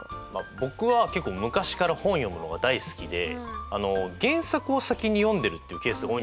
僕は結構昔から本読むのが大好きで原作を先に読んでるっていうケースが多いんですよ。